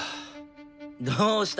どうした？